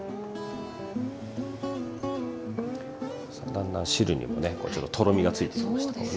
だんだん汁にもねちょっととろみがついてきましたね。